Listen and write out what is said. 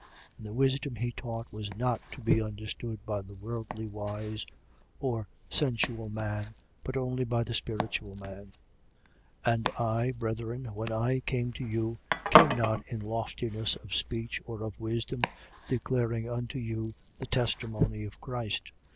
And the wisdom he taught was not to be understood by the worldly wise or sensual man, but only by the spiritual man. 2:1. And I, brethren, when I came to you, came not in loftiness of speech or of wisdom, declaring unto you the testimony of Christ.